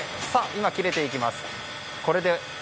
今、切れていきます。